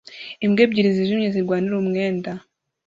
Imbwa ebyiri zijimye zirwanira umwenda